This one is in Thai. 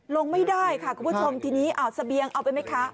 ลงไม่ได้ค่ะคุณผู้ชมทีนี้เสบียงเอาไปไหมคะ